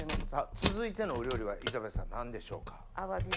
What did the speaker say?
続いてのお料理はイザベルさん何でしょうか？